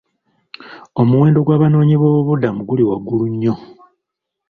Omuwendo gw'abanoonyiboobubudamu guli waggulu nnyo.